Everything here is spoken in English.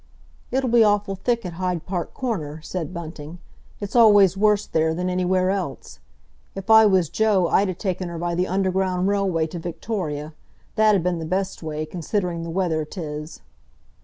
"It'll be awful thick at Hyde Park Corner," said Bunting. "It's always worse there than anywhere else. If I was Joe I'd 'a taken her by the Underground Railway to Victoria—that 'ud been the best way, considering the weather 'tis."